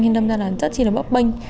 thì đâm ra là rất là bóp bênh